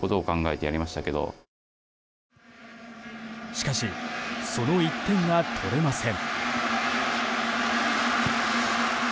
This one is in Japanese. しかしその１点が取れません。